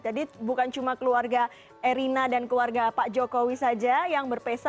jadi bukan cuma keluarga erina dan keluarga pak jokowi saja yang berpesa